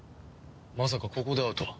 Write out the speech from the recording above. まさかここで会うとは。